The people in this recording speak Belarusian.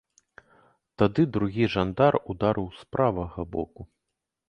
Тады другі жандар ударыў з правага боку.